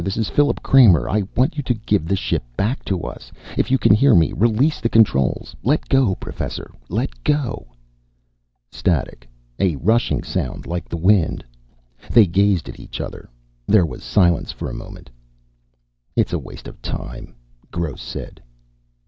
This is Philip Kramer. I want you to give the ship back to us. If you can hear me, release the controls! Let go, Professor. Let go!" Static. A rushing sound, like the wind. They gazed at each other. There was silence for a moment. "It's a waste of time," Gross said.